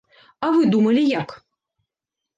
А вы думалі як?